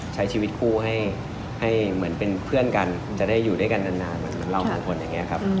ใช้ชีวิตคู่ให้เหมือนเป็นเพื่อนกันจะได้อยู่ด้วยกันนานเหมือนเราสองคนอย่างนี้ครับ